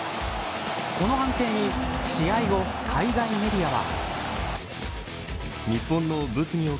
この判定に試合後、海外メディアは。